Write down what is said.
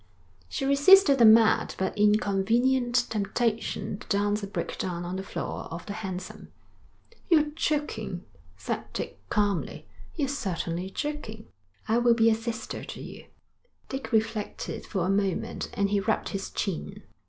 She resisted a mad, but inconvenient, temptation to dance a breakdown on the floor of the hansom. 'You're joking,' said Dick calmly. 'You're certainly joking.' 'I will be a sister to you.' Dick reflected for a moment, and he rubbed his chin.